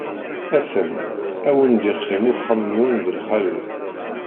A-t-an, ad wen-d-iqqim uxxam-nwen d lxali.